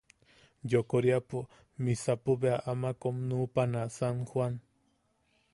Yokoriapo, misapo bea ama kom nuʼupana San Joan.